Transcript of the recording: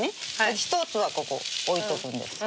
１つはここ置いとくんです。